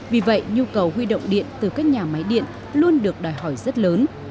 vì vậy nhu cầu huy động điện từ các nhà máy điện luôn được đòi hỏi rất lớn